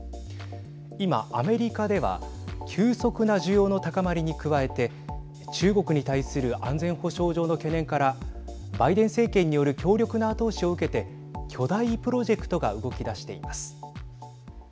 今、アメリカでは急速な需要の高まりに加えて中国に対する安全保障上の懸念からバイデン政権による強力な後押しを受けて巨大プロジェクトが動き出しています。